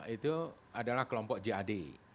itu adalah kelompok gad